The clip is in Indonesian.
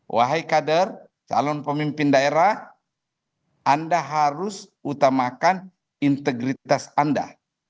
wahai kader calon pemimpin daerah anda harus utamakan integritas anda